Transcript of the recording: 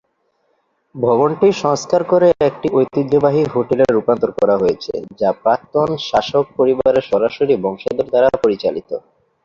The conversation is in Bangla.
ভবনটি সংস্কার করে একটি ঐতিহ্যবাহী হোটেলে রূপান্তর করা হয়েছে যা প্রাক্তন শাসক পরিবারের সরাসরি বংশধর দ্বারা পরিচালিত।